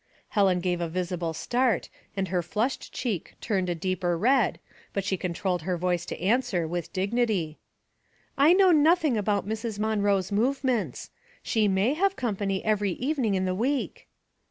Helen gave a visible start, and her flushed cheek turned a deeper red, but she controlled her voice to answer, with dignity, —*' I know nothing about Mrs. Monroe's move ments. She ma7/ have company every evening in the week."